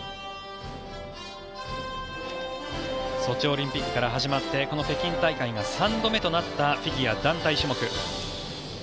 ソチオリンピックから始まってこの北京大会が３度目となったフィギュア団体種目。